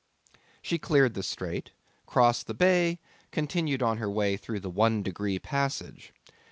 She cleared the Strait, crossed the bay, continued on her way through the 'One degree' passage.